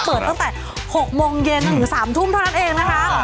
เปิดตั้งแต่๖โมงเย็นจนถึง๓ทุ่มเท่านั้นเองนะคะ